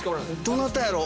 どなたやろ？